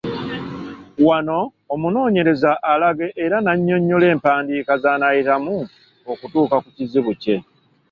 Wano omunoonyereza alaga era n’annyonnyola empenda z’anaayitamu okutuuka ku kizibu kye.